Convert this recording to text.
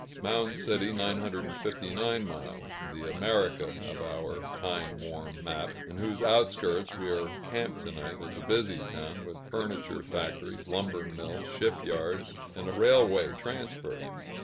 Mound City (959 miles), the "America" of our time worn map, in whose outskirts we are camped to night, is a busy town with furniture factories, lumber mills, ship yards, and a railway transfer.